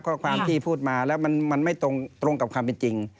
เพราะความที่พูดมาแล้วมันไม่ตรงกับคำจริง